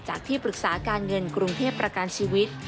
ที่ปรึกษาการเงินกรุงเทพประกันชีวิต